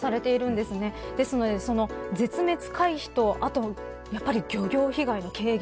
ですので、絶滅回避とあと、やっぱり漁業被害の軽減